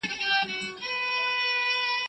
د وطن سمسورتیا د هر وګړي دنده ده.